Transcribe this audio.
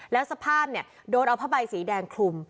แล้วสภาพโดนเอาผ้าใบสีแดงคลุม